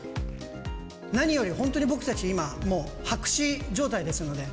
何より、本当に僕たち今、もう白紙状態ですので。